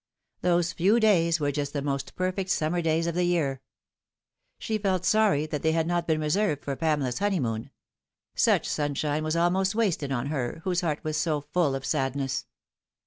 Those few days were just the most perfect summer days of the year. She felt sorry that they had not been reserved for Pamela's honeymoon. Such sunshine was almost wasted on her, whose heart was so full of sadness.